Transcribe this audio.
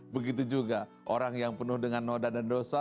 begitu juga orang yang penuh dengan noda dan dosa